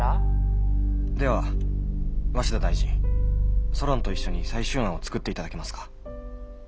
「では鷲田大臣ソロンと一緒に最終案を作っていただけますか？」。